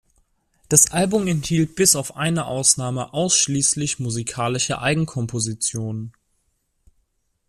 Das Album enthielt bis auf eine Ausnahme ausschließlich musikalische Eigenkompositionen.